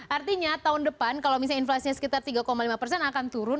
artinya tahun depan kalau misalnya inflasinya sekitar tiga lima persen akan turun